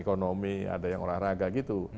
ekonomi ada yang olahraga gitu